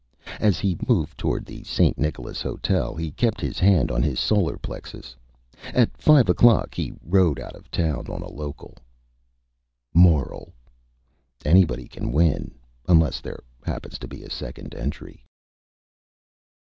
As he moved toward the St. Nicholas Hotel he kept his Hand on his Solar Plexus. At five o'clock he rode out of Town on a Local. MORAL: _Anybody can Win unless there happens to be a Second Entry.